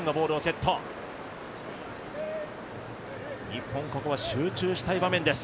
日本、ここは集中したい場面です。